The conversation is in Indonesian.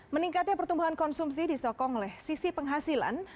meningkatnya pertumbuhan konsumsi disokong oleh sisi penghasilan